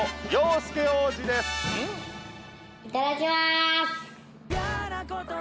いただきます。